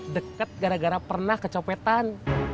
deket gara gara pernah kecopetan